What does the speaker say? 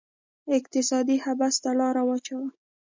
اقتصادي حبس ته لاس واچاوه